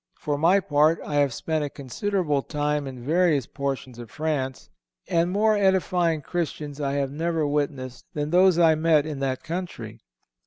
For my part, I have spent a considerable time in various portions of France, and more edifying Christians I have never witnessed than those I met in that country.